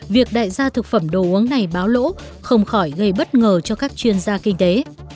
việc đại gia thực phẩm đồ uống này báo lỗ không khỏi gây bất ngờ cho các chuyên gia kinh tế